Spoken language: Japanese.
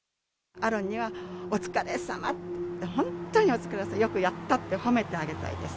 アロンにはお疲れ様って、本当にお疲れさまって、よくやった！って褒めてあげたいです。